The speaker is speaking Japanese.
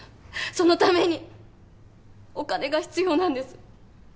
そのためにお金が必要なんです。